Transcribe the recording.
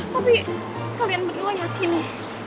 tapi kalian berdua yakin nih